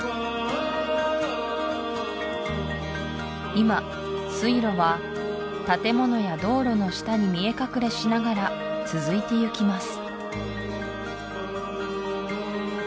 今水路は建物や道路の下に見え隠れしながら続いてゆきます